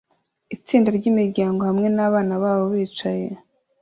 Itsinda ryimiryango hamwe nabana babo bicaye